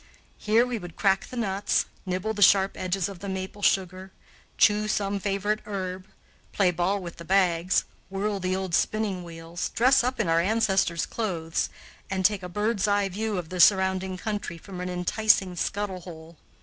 Here we would crack the nuts, nibble the sharp edges of the maple sugar, chew some favorite herb, play ball with the bags, whirl the old spinning wheels, dress up in our ancestors' clothes, and take a bird's eye view of the surrounding country from an enticing scuttle hole.